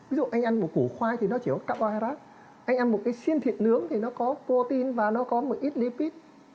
ví dụ anh ăn một củ khoai thì nó chỉ có cacao hay rác anh ăn một cái xiên thịt nướng thì nó có protein và nó có một ít lipid